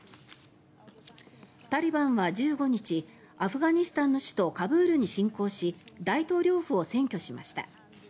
タリバンは１５日アフガニスタンの首都カブールに侵攻し大統領府を占拠しました。